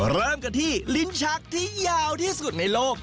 เริ่มกันที่ลิ้นชักที่ยาวที่สุดในโลก